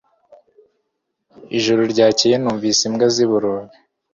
Ijoro ryakeye numvise imbwa ziboroga